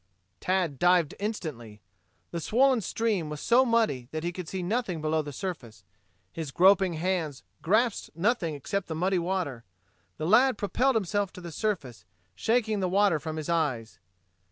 Tad dived instantly. The swollen stream was so muddy that he could see nothing below the surface. His groping hands grasped nothing except the muddy water. The lad propelled himself to the surface, shaking the water from his eyes.